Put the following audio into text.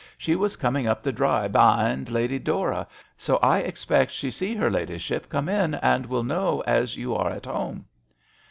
She was coming up the drive be'ind Lady Dora, so I expect she see hei ladyship come in, and will know as you are at home."